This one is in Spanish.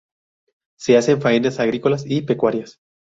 Se hacen faenas agrícolas y pecuarias.